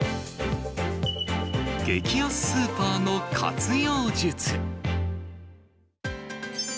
激安スーパーの活用術。